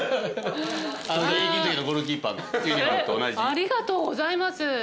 ありがとうございます。